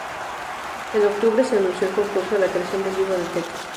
En octubre se anunció el concurso a la creación de libro de texto.